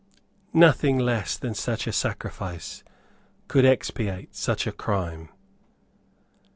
Nothing less than such a sacrifice could expiate such a crime.